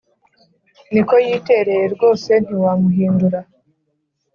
niko yitereye rwose ntiwamuhindura